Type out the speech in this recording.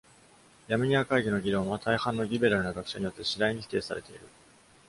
ヤムニア会議の理論は、大半のリベラルな学者によって次第に否定されている。